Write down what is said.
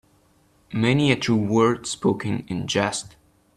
Many a true word spoken in jest.